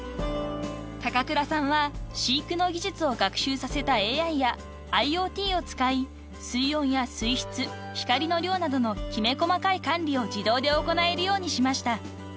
［高倉さんは飼育の技術を学習させたＡＩやＩｏＴを使い水温や水質光の量などのきめ細かい管理を自動で行えるようにしました］